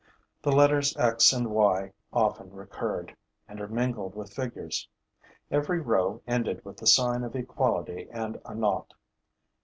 The letters x and y often recurred, intermingled with figures. Every row ended with the sign of equality and a nought.